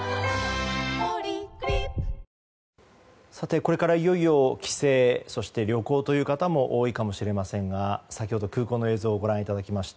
これからいよいよ帰省そして旅行という方も多いかもしれませんが先ほど空港の映像をご覧いただきました。